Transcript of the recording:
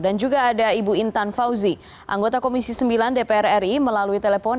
dan juga ada ibu intan fauzi anggota komisi sembilan dpr ri melalui telepon